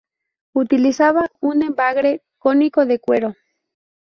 Utilizaba un embrague cónico de cuero.